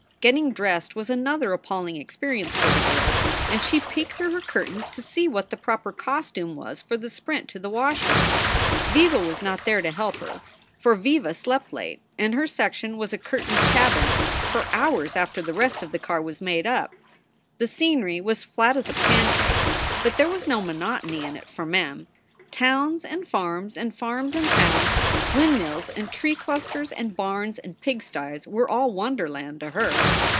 Getting dressed was another appalling experience for the girl, and she peeked through her curtains to see what the proper costume was for the sprint to the wash room. Viva was not there to help her, for Viva slept late and her section was a curtained cabin for hours after the rest of the car was made up. The scenery was flat as a pancake, but there was no monotony in it for Mem. Towns and farms and farms and towns, windmills and tree clusters and barns and pigstys, were all wonderland to her.